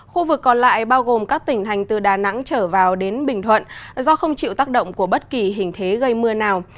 khu vực còn lại bao gồm các tỉnh thành từ đà nẵng trở vào đến bình thuận do không chịu tác động của bất kỳ hình thế gây mưa nào